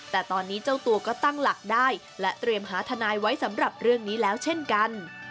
แต่ตอนนี้เจ้าตัวก็ตั้งหลักได้และเตรียมหาทนายไว้สำหรับเรื่องนี้แล้วเช่นกัน